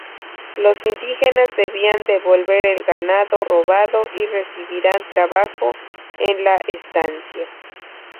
Los indígenas debían devolver el ganado robado y recibirían trabajo en la estancia.